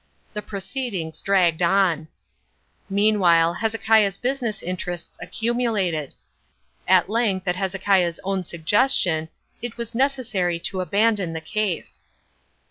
The proceedings dragged on. Meanwhile Hezekiah's business interests accumulated. At length, at Hezekiah's own suggestion, it was necessary to abandon the case.